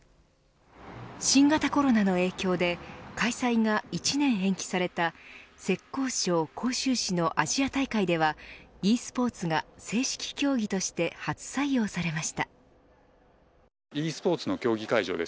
新型コロナの影響で開催が１年延期された浙江省、杭州市のアジア大会ではｅスポーツが正式競技として初採用されました。